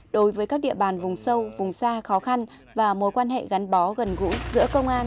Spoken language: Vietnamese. đối với các địa bàn vùng sâu vùng xa khó khăn và mối quan hệ gắn bó gần gũi giữa công an